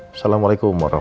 assalamualaikum wr wb